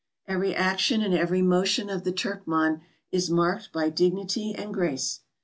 Every action and every motion of the Turkman is marked by dignity and grace.